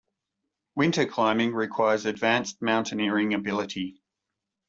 Winter climbing requires advanced mountaineering ability.